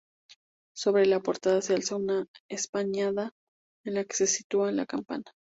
Sobre la portada se alza una espadaña en la que se sitúa la campana.